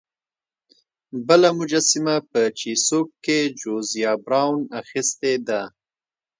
بله مجسمه په چیسوک کې جوزیا براون اخیستې ده.